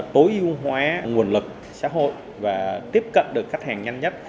tối ưu hóa nguồn lực xã hội và tiếp cận được khách hàng nhanh nhất